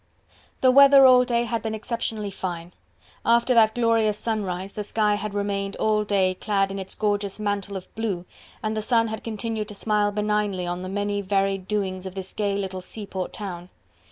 The weather all day had been exceptionally fine. After that glorious sunrise, the sky had remained all day clad in its gorgeous mantle of blue and the sun had continued to smile benignly on the many varied doings of this gay, little seaport town.